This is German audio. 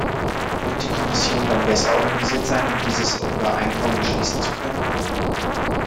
Wird die Kommission dann besser organisiert sein, um dieses Übereinkommen schließen zu können?